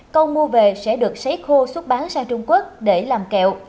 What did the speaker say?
cầu mua về sẽ được sấy khô xuất bán sang trung quốc để làm kẹo